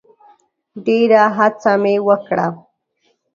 ډېره هڅه مي وکړه .